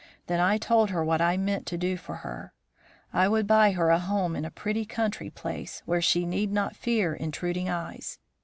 Then I told her what I meant to do for her. I would buy her a home in a pretty country place, where she need not fear intruding eyes.